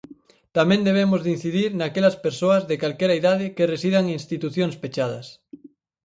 Tamén debemos de incidir naquelas persoas de calquera idade que residan en institucións pechadas.